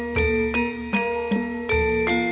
caranya adik kecil